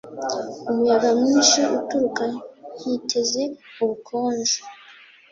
umuyaga mwinshi uturuka nkiteza ubukonje